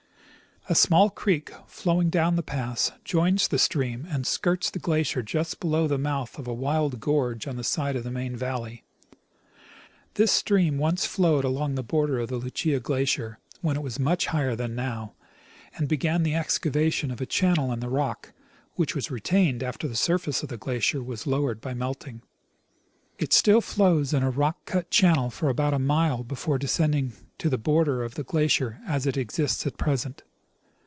A small creek, flowing down the pass, joins the stream and skirts the glacier just below the mouth of a wild gorge on the side of the main valley. This stream once flowed along the border of the Lucia glacier when it was much higher than now, and began the excavation of a channel in the rock, which was retained after the surface of the glacier was lowered by melting. It still flows in a rock cut channel for about a mile before descending to the border of the glacier as it exists at present.